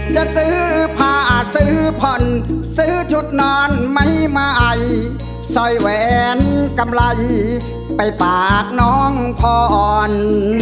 จะซื้อผ้าซื้อผ่อนซื้อชุดนอนใหม่สร้อยแหวนกำไรไปฝากน้องพร